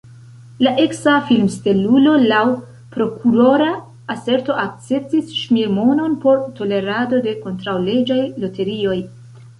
La eksa filmstelulo laŭ prokurora aserto akceptis ŝmirmonon por tolerado de kontraŭleĝaj loterioj.